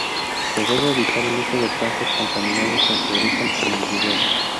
Se debe evitar el uso de plantas contaminadas en su origen en el vivero.